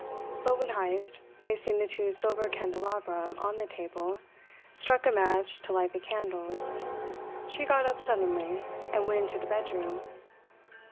But when Heyst, placing the two silver candelabra on the table, struck a match to light the candles, she got up suddenly and went into the bedroom.